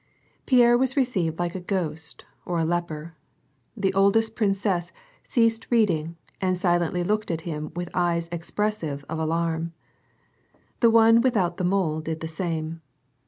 Pierre was received like a ghost or a leper. The oldest prin cess ceased reading and silently looked at him with eyes ex pressive of alarm. The one without the mole did the same.